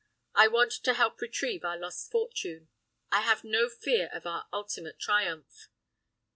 I want to help retrieve our lost fortune. I have no fear of our ultimate triumph."